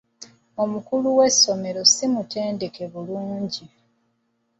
Omukulu w'essomero si mutendeke bulungi.